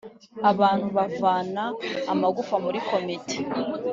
abantu bavana amagufwa muri komite